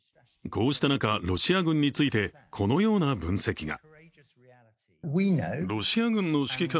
こうした中、ロシア軍についてこのような分析が。